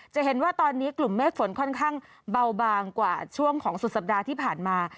จะเห็นว่าตอนนี้กลุ่มเมฆฝนค่อนข้างเบาบางกว่าช่วงของสุดสัปดาห์ที่ผ่านมา